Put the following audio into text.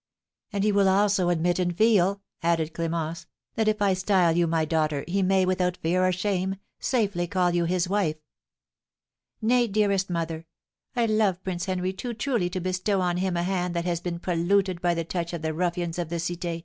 "And he will also admit and feel," added Clémence, "that if I style you my daughter, he may, without fear or shame, safely call you his wife." "Nay, dearest mother, I love Prince Henry too truly to bestow on him a hand that has been polluted by the touch of the ruffians of the Cité."